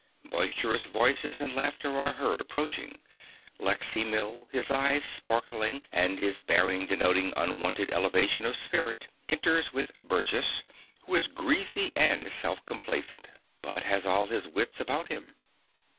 (Boisterous voices and laughter are heard approaching. Lexy Mill, his eyes sparkling, and his bearing denoting unwonted elevation of spirit, enters with Burgess, who is greasy and self complacent, but has all his wits about him.